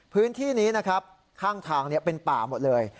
พื้นที่นี้นะครับข้างทางเป็นป่าหมดเลย